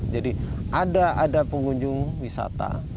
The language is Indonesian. jadi ada ada pengunjung wisata